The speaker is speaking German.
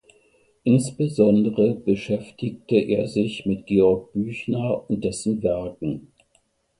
Insbesondere beschäftigte er sich mit Georg Büchner und dessen Werken.